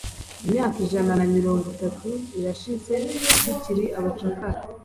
imyaka ijana na mirongo itatu irashize tukiri abacakara